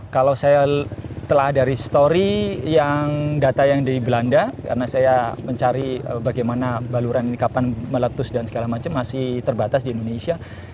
kalau saya telah dari story yang data yang dari belanda karena saya mencari bagaimana baluran ini kapan meletus dan segala macam masih terbatas di indonesia